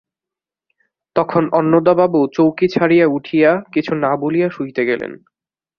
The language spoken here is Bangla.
তখন অন্নদাবাবু চৌকি ছাড়িয়া উঠিয়া, কিছু না বলিয়া শুইতে গেলেন।